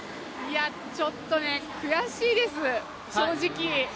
ちょっと悔しいです、正直。